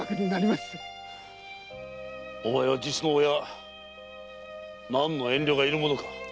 お前は実の親何の遠慮がいるものか。